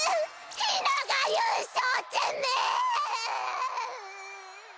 ひなが優勝チム！